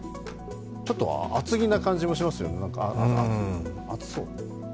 ちょっと厚着な感じもしますよね、暑そう。